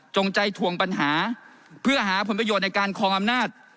ใจทวงปัญหาเพื่อหาผลประโยชน์ในการคลองอำนาจ